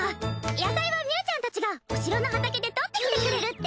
野菜はみゅーちゃんたちがお城の畑で採ってきてくれるって。